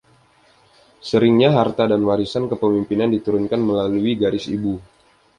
Seringnya harta dan warisan kepemimpinan diturunkan melalui garis ibu.